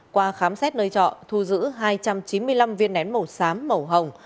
qua khám xét nơi trọ thu giữ hai trăm chín mươi năm viên nén màu xám màu hồng